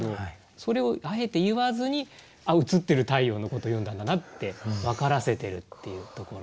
それをあえて言わずに「あっ映ってる太陽のこと詠んだんだな」って分からせてるっていうところ。